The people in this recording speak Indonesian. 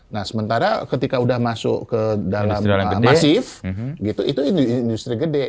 nah sementara ketika sudah masuk ke dalam masif gitu itu industri gede